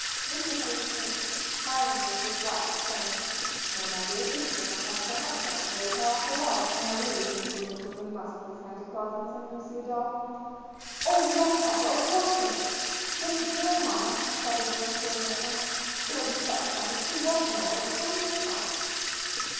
Mr. Page turned smilingly to his wife, saying, "Well, my dear, this does not sound so much like a fairy tale after all, and I really think you and the children must play Santa Claus and send Lucy a doll." "Oh, yes, Papa, of course we must! Yes, do, Mamma!" shouted both children at once. "It'll be such fun and she won't know where it comes from."